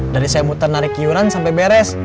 dari saya muter narik iuran sampai beres